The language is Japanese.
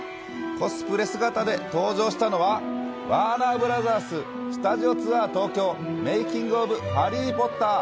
コスプレ姿で登場したのは、ワーナーブラザース・スタジオツアー東京、メイキング・オブ・ハリー・ポッター。